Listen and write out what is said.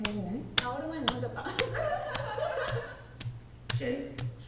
香る前に飲んじゃった。